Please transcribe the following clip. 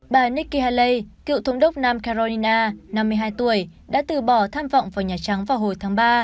bà nikki haley cựu thống đốc nam carolina năm mươi hai tuổi đã từ bỏ tham vọng vào nhà trắng vào hồi tháng ba